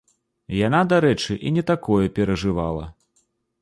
Яна, дарэчы, і не такое перажывала.